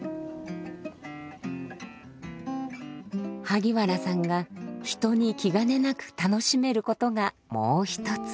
萩原さんが人に気兼ねなく楽しめることがもう一つ。